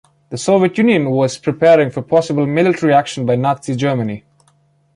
The Soviet Union was preparing for possible military action by Nazi Germany.